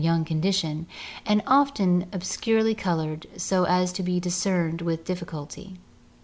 Smith's Ecmomie y0Ung condition and often ob scurely colored so as to be discerned with difficulty.